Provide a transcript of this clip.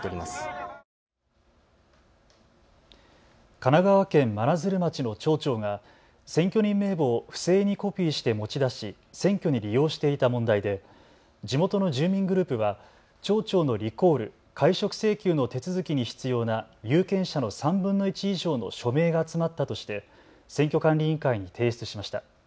神奈川県真鶴町の町長が選挙人名簿を不正にコピーして持ち出し選挙に利用していた問題で地元の住民グループは町長のリコール・解職請求の手続きに必要な有権者の３分の１以上の署名が集まったとして選挙管理委員会に提出しました。